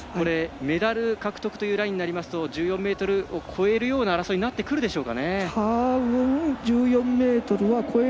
メダル獲得というラインになりますと１４ｍを超えるような争いになってくるでしょうか。